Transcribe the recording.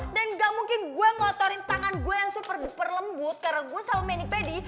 dan gak mungkin gue ngotorin tangan gue yang super duper lembut karena gue selalu main di pedi